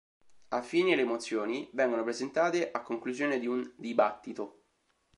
Affini alle mozioni, vengono presentate a conclusione di un dibattito.